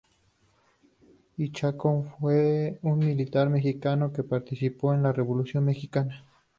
Y. Chacón fue un militar mexicano que participó en la Revolución mexicana.